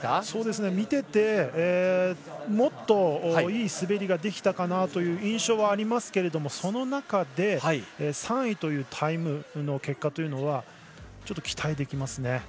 そうですね、見ていてもっといい滑りができたかなという印象はありますがその中で３位というタイムの結果というのはちょっと期待できますね。